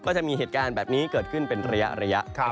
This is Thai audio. จะมีเหตุการณ์แบบนี้เกิดขึ้นเป็นระยะ